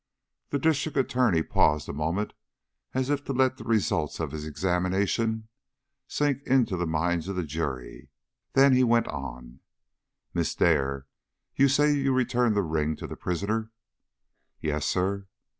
The District Attorney paused a moment as if to let the results of his examination sink into the minds of the jury; then he went on: "Miss Dare, you say you returned the ring to the prisoner?" "Yes, sir."